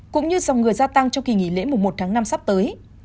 cũng như dòng người gia tăng trong kỳ nghỉ lễ mùa một tháng năm sắp tới